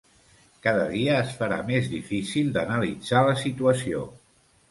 Cada dia es farà més difícil d’analitzar la situació.